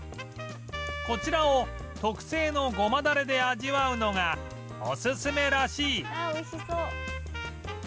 こちらを特製のゴマだれで味わうのがおすすめらしい